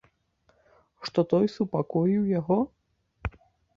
Што той супакоіў яго?